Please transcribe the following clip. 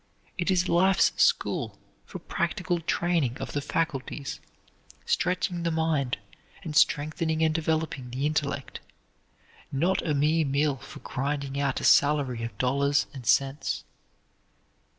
It is life's school for practical training of the faculties, stretching the mind, and strengthening and developing the intellect, not a mere mill for grinding out a salary of dollars and cents.